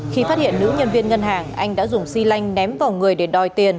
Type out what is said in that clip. khi phát hiện nữ nhân viên ngân hàng anh đã dùng xi lanh ném vào người để đòi tiền